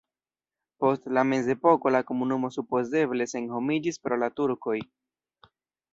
Post la mezepoko la komunumo supozeble senhomiĝis pro la turkoj.